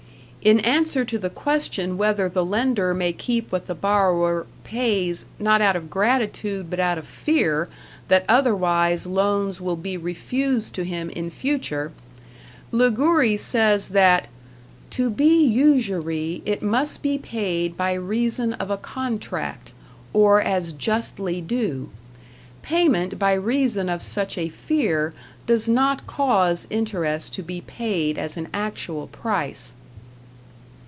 In answer to the question whether the lender may keep what the borrower pays, not out of gratitude, but out of fear that otherwise loans will be refused to him in future, Ligouri says that "to be usury, it must be paid by reason of a contract, or as justly due; payment by reason of such a fear does not cause interest to be paid as an actual price."